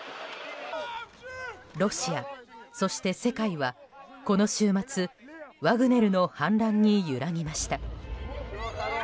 ロシア、そして世界はこの週末ワグネルの反乱に揺らぎました。